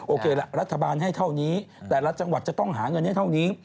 โอเคล่ะรัฐบาลให้เท่านี้แต่ละจังหวัดจะต้องหาเงินให้เท่านี้